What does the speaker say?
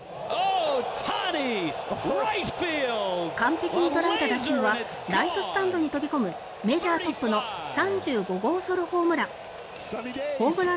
完璧に捉えた打球はライトスタンドに飛び込むメジャートップの３５号ホームラン。